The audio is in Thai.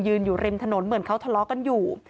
อยู่ริมถนนเหมือนเขาทะเลาะกันอยู่